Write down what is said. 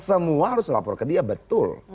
semua harus lapor ke dia betul